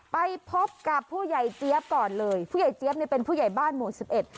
ไปพบกับผู้ใหญ่เจี๊ยบก่อนเลยผู้ใหญ่เจี๊ยบเนี่ยเป็นผู้ใหญ่บ้านหมู่สิบเอ็ด